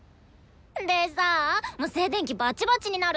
でさ静電気バチバチになるし。